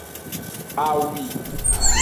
Awi.